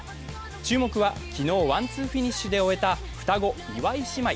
注目は昨日、ワン・ツーフィニッシュで終えた双子・岩井姉妹。